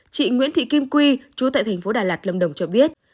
chị nguyễn thị kim quy chú tại thành phố đà lạt lâm đồng cho biết